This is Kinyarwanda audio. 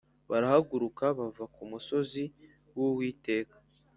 Barahaguruka bava ku musozi w Uwiteka